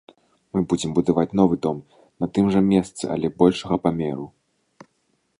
Мы будзем будаваць новы дом, на тым жа месцы але большага памеру.